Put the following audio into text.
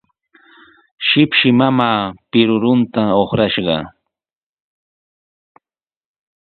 Shipshi mamaa pirurunta uqrashqa.